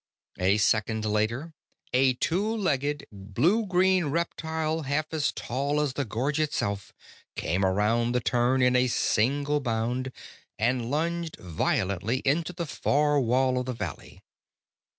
A second later, a two legged, blue green reptile half as tall as the gorge itself came around the turn in a single bound and lunged violently into the far wall of the valley.